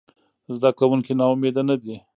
زده کوونکي ناامیده نه دي.